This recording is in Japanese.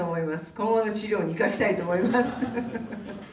今後の治療に生かしたいと思います。